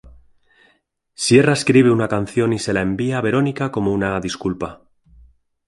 Sierra escribe una canción y se la envía a Veronica como una disculpa.